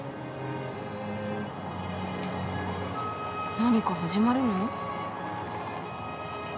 何か始まるの？